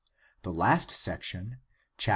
The last sec tion (chaps.